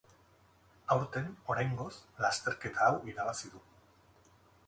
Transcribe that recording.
Aurten, oraingoz, lasterketa hau irabazi du.